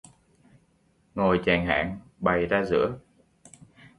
Ngồi chàng hảng, bày ra giữa!